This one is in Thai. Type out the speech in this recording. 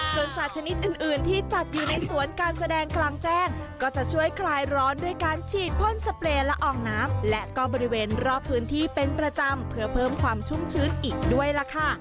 ส่วนสัตว์ชนิดอื่นที่จัดอยู่ในสวนการแสดงกลางแจ้งก็จะช่วยคลายร้อนด้วยการฉีดพ่นสเปรย์ละอองน้ำและก็บริเวณรอบพื้นที่เป็นประจำเพื่อเพิ่มความชุ่มชื้นอีกด้วยล่ะค่ะ